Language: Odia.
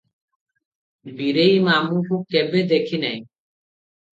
ବୀରେଇ ମାମୁକୁ କେଭେ ଦେଖିନାହିଁ ।